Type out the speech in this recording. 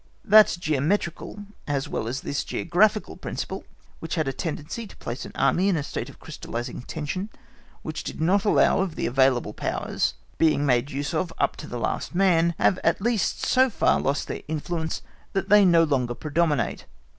That geometrical as well as this geographical principle which had a tendency to place an Army in a state of crystallising tension which did not allow of the available powers being made use of up to the last man, have at least so far lost their influence that they no longer predominate.